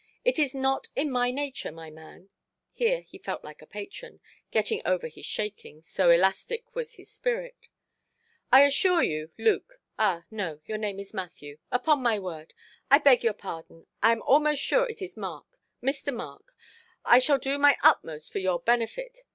It is not in my nature, my man", here he felt like a patron, getting over his shaking, so elastic was his spirit; "I assure you, Luke—ah no, your name is Matthew; upon my word, I beg your pardon, I am almost sure it is Mark—Mr. Mark, I shall do my utmost for your benefit.